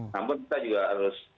namun kita juga harus